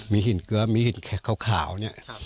มีหินเกลือมีหินขาวเนี่ย